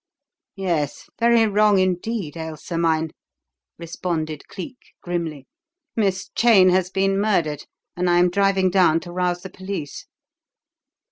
"Yes, very wrong indeed, Ailsa mine," responded Cleek grimly. "Miss Cheyne has been murdered, and I am driving down to rouse the police."